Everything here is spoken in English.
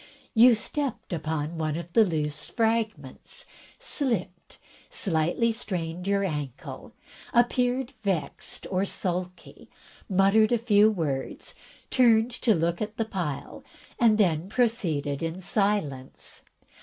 You stepped upon one of the loose fragments, slipped, slightly strained your ankle, appeared vexed or sulky, muttered a few words, turned to look at the pile, and then proceeded in silence.